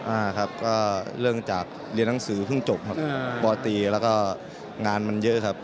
อ่าครับก็เริ่มจากเรียนหนังสือเพิ่งจบครับปตีแล้วก็งานมันเยอะครับ